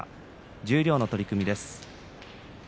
十両の取組です。